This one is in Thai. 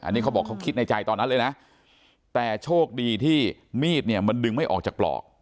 อันนี้เขาบอกเขาคิดในใจตอนนั้นเลยนะแต่โชคดีที่มีดเนี่ยมันดึงไม่ออกจากปลอก